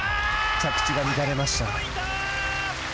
着地が乱れました。